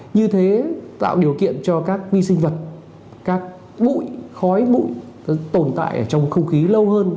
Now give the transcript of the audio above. như thế tạo điều kiện cho các vi sinh vật các bụi khói bụi tồn tại trong không khí lâu hơn